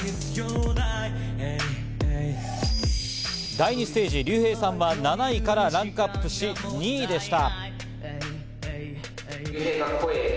第２ステージ、リュウヘイさんは７位からランクアップし、２位でした。